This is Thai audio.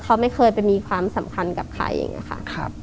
เขาไม่เคยไปมีความสำคัญกับใคร